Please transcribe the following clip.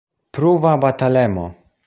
Pruva batalemo.